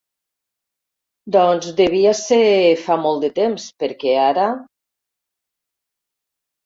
Doncs devia ser fa molt de temps, perquè ara...